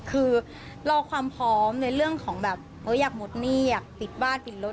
คือรอความพร้อมในเรื่องของแบบอยากหมดหนี้อยากปิดบ้านปิดรถ